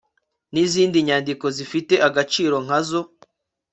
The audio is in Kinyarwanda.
n izindi nyandiko zifite agaciro nka zo